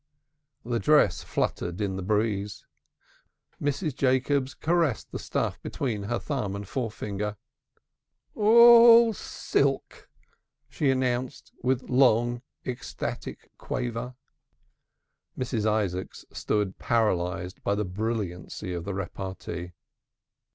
The dress fluttered in the breeze. Mrs. Jacobs caressed the stuff between her thumb and forefinger. "Aw aw aw aw aw awl silk," she announced with a long ecstatic quaver. Mrs. Isaacs stood paralyzed by the brilliancy of the repartee.